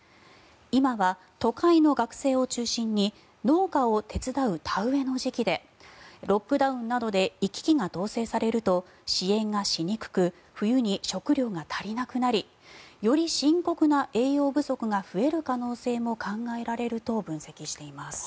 今は都会の学生を中心に農家を手伝う田植えの時期でロックダウンなどで行き来が統制されると支援がしにくく冬に食糧が足りなくなりより深刻な栄養不足が増える可能性も考えられると分析しています。